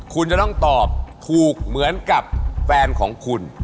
คุณจะต้องตอบถูกเหมือนกับแฟนของคุณ